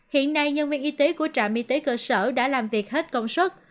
hiện nay nhân viên y tế của trạm y tế cơ sở đã làm việc hết công suất